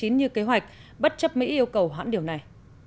như kế hoạch bất chấp mỹ yêu cầu hoãn điều này